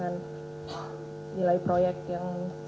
nilai proyek yang